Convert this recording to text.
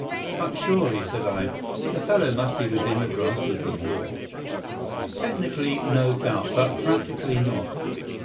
"But surely," said I, "the fellow must be within the grasp of the law?" "Technically, no doubt, but practically not.